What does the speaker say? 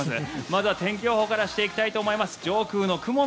まずは天気予報からしていきたいと思います。